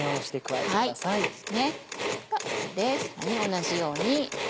同じように。